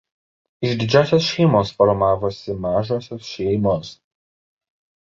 Iš didžiosios šeimos formavosi mažosios šeimos.